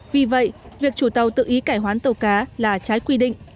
vì vậy việc chủ tàu tự ý cải hoán tàu cá là trái quy định